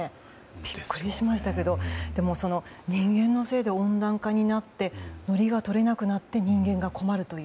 ビックリしましたけど人間のせいで温暖化になってのりがとれなくなって人間が困るという。